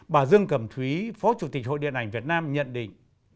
bà dương cẩm thúy phó chủ tịch hội điện ảnh việt nam nhận định